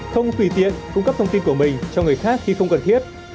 không tùy tiện cung cấp thông tin của mình cho người khác khi không cần thiết